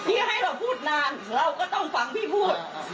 ให้เราพูดนานเราก็ต้องฟังพี่พูด